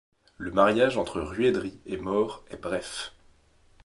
Le mariage entre Ruaidrí et Mór est bref.